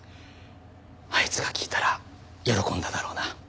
あいつが聞いたら喜んだだろうな。